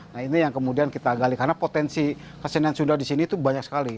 nah ini yang kemudian kita gali karena potensi kesenian sunda di sini itu banyak sekali